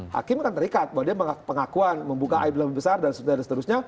hakim akan terikat bahwa dia pengakuan membuka air belah lebih besar dan seterusnya